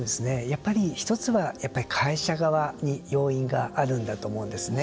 １つは、やっぱり会社側に要因があるんだと思うんですね。